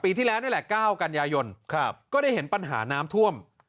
ที่แล้วนี่แหละ๙กันยายนก็ได้เห็นปัญหาน้ำท่วม